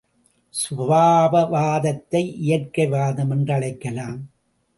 சுபாவவாதத்தை இயற்கை வாதம் என்றழைக்கலாம்.